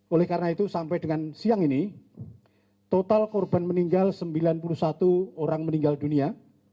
oleh karena itu sampai dengan siang ini total korban meninggal sembilan puluh satu orang meninggal dunia